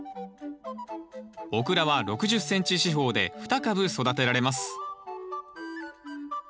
オクラは６０ｃｍ四方で２株育てられます。